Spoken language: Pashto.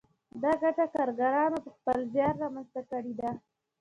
دا ګټه کارګرانو په خپل زیار رامنځته کړې ده